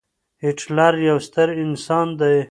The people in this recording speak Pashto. هېټلر يو ستر انسان دی.